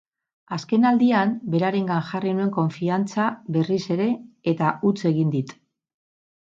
Azken aldian berarengan jarri nuen konfiantza berriz ere, eta huts egin dit.